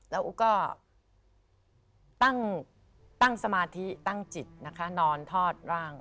แล้วอุ๊กก็ตั้งสมาธิตั้งจิตนะคะนอนทอดร่าง